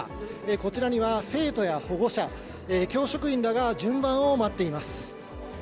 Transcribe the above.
こちらには生徒や保護者、教職員らが順番を待っています。